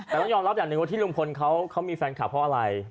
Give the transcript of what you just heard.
แต่ต้องยอมรับอย่างหนึ่งว่าที่ลุงพลเขามีแฟนคลับเพราะอะไร